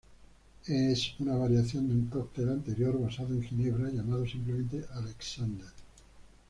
Es una variación de un cóctel anterior basado en ginebra llamado simplemente Alexander.